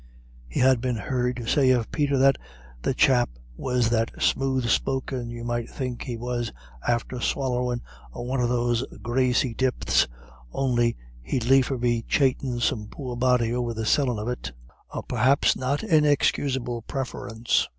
He had been heard to say of Peter that "the chap was that smooth spoken you might think he was after swallyin' a one of his own graisy dipts, on'y he'd liefer be chaitin' some poor body over the sellin' of it" a perhaps not inexcusable preference.